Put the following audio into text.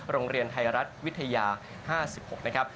โรงเรียนไทยรัฐวิทยา๕๖นะครับ